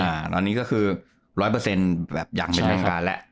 อ่าแล้วนี้ก็คือ๑๐๐แบบอย่างเป็นต่างการแหละ